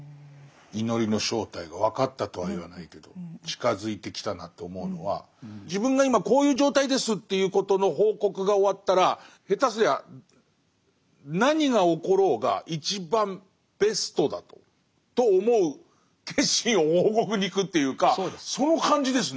祈りの正体が分かったとは言わないけど近づいてきたなと思うのは自分が今こういう状態ですということの報告が終わったら下手すりゃ何が起ころうが一番ベストだと思う決心を報告に行くというかその感じですね。